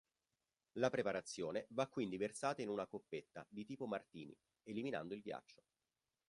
La preparazione va quindi versata in una coppetta di tipo martini eliminando il ghiaccio.